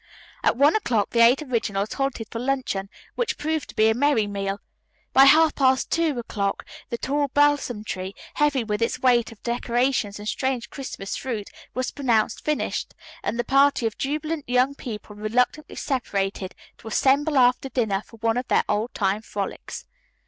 At one o'clock the Eight Originals halted for luncheon, which proved to be a merry meal. By half past two o'clock the tall balsam tree, heavy with its weight of decorations and strange Christmas fruit, was pronounced finished, and the party of jubilant young people reluctantly separated to assemble after dinner for one of their old time frolics.